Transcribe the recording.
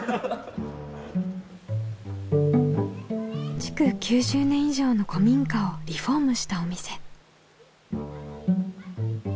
築９０年以上の古民家をリフォームしたお店。